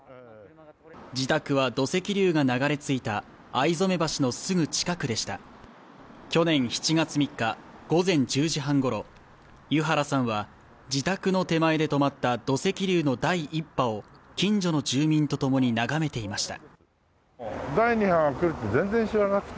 自宅は土石流が流れついた逢初橋のすぐ近くでした去年７月３日午前１０時半ごろ湯原さんは自宅の手前で止まった土石流の第１波を近所の住民と共に眺めていました